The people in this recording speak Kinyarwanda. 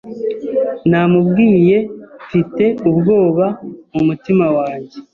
Namubwiye mfite ubwoba mu mutima wanjye